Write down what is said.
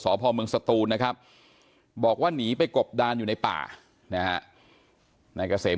สอบพ่อเมืองสตูนนะครับบอกว่าหนีไปกบดาลอยู่ในป่าในกระเสม